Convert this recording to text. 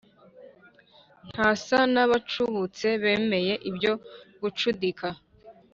Ntasa n'abacubutse Bemeye ibyo gucudika